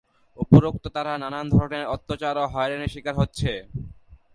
উপরন্তু তারা নানান ধরণের অত্যাচার ও হয়রানির শিকার হচ্ছে।